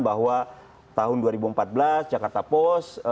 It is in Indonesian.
bahwa tahun dua ribu empat belas jakarta post